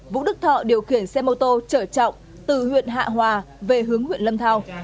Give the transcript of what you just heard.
vũ đức thọ điều khiển xe mô tô chở trọng từ huyện hạ hòa về hướng huyện lâm thao